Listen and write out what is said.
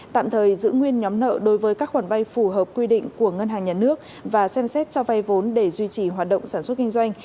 tạm thời giữ nguyên nhóm nợ đối với các khoản vay phù hợp quy định của ngân hàng nhà nước và xem xét cho vay vốn để duy trì hoạt động sản xuất kinh doanh